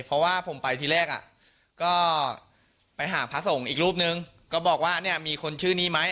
เพราะว่าผมไปที่แรกอ่ะก็ไปหาพระสงฆ์อีกรูปนึงก็บอกว่าเนี่ยมีคนชื่อนี้ไหม